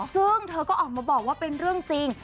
ซึ่งเธอก็ออกมาบอกว่าเป็นเรื่องจริง